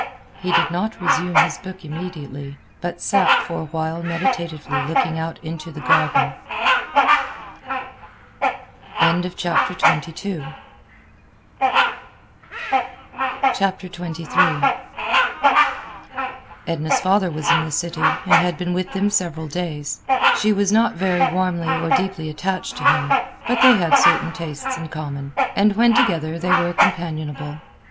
He did not resume his book immediately, but sat for a while meditatively looking out into the garden. XXIII Edna's father was in the city, and had been with them several days. She was not very warmly or deeply attached to him, but they had certain tastes in common, and when together they were companionable.